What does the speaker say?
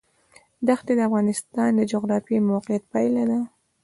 دښتې د افغانستان د جغرافیایي موقیعت پایله ده.